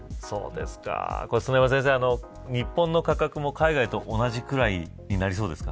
砂山先生、日本の価格も海外と同じくらいになりそうですか。